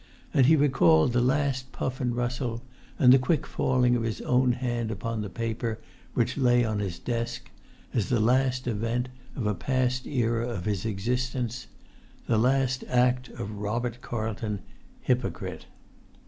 And he recalled the last puff and rustle, and the quick falling of his own hand upon the paper, which lay on his desk, as the last event of a past era of his existence—the last act of Robert Carlton, hypocrite!